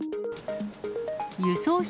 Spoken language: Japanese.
輸送費